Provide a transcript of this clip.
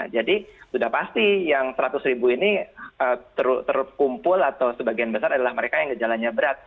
jadi sudah pasti yang seratus ribu ini terkumpul atau sebagian besar adalah mereka yang gejalanya berat